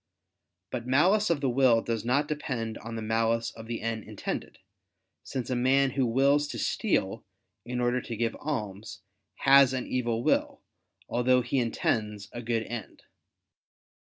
But malice of the will does not depend on the malice of the end intended; since a man who wills to steal in order to give alms, has an evil will, although he intends a good end.